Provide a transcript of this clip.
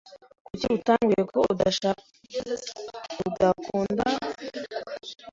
Kuki utambwiye ko udakunda shokora? byukusenge